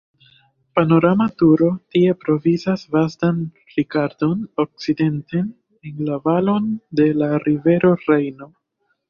Panorama turo tie provizas vastan rigardon okcidenten en la valon de la rivero Rejno.